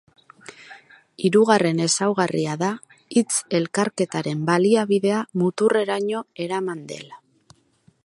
Hirugarren ezaugarria da hitz-elkarketaren baliabidea muturreraino eraman dela.